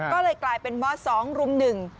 ก็เลยกลายเป็นว่า๒รุม๑